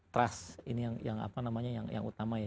trust ini yang apa namanya yang utama ya